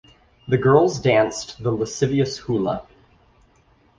The girls danced the lascivious hula.